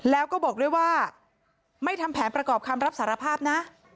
แล้วก็บอกด้วยว่าไม่ทำแผนประกอบคำรับสารภาพนะ